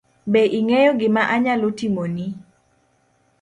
Be ing'eyo gima anyalo timoni?